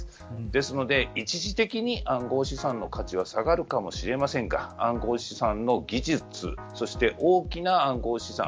ですので一時的に暗号資産の価値は下がるかもしれませんが暗号資産の技術そして大きな暗号資産